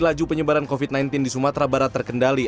laju penyebaran covid sembilan belas di sumatera barat terkendali